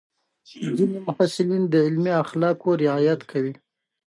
ځینې محصلین د علمي اخلاقو رعایت کوي.